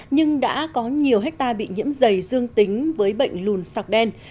nhưng đã có nhiều hectare bị nhiễm dày dương tính với bệnh lùn sọc đen